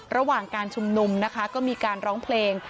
ระหว่างการชุมนุมนะคะก็มีการร้องเพลง